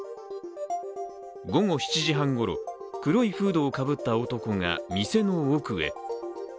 午後７時半ごろ、黒いフードをかぶった男が店の奥へ。